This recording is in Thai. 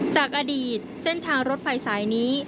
จากอดีตเส้นทางรถไฟสายนี้